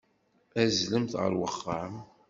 Azzlemt ɣer uxxam.